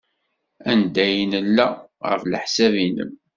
Anda ay nella, ɣef leḥsab-nnem?